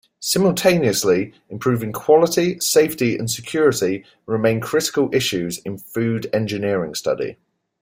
Simultaneously, improving quality, safety, and security remain critical issues in food engineering study.